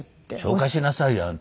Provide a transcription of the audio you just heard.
「紹介しなさいよあんた